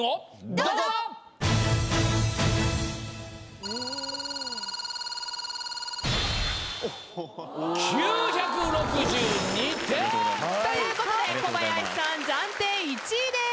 どうぞ！ということで小林さん暫定１位です。